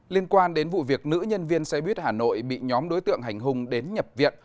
liên quan đến vụ việc nữ nhân viên xe buýt hà nội bị nhóm đối tượng hành hung đến nhập viện